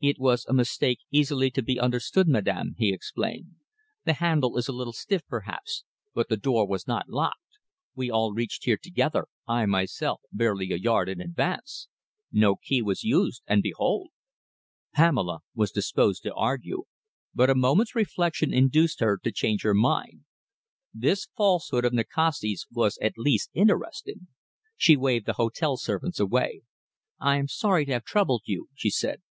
"It was a mistake easily to be understood, madam," he explained. "The handle is a little stiff, perhaps, but the door was not locked. We all reached here together, I myself barely a yard in advance. No key was used and behold!" Pamela was disposed to argue, but a moment's reflection induced her to change her mind. This falsehood of Nikasti's was at least interesting. She waved the hotel servants away. "I am sorry to have troubled you," she said.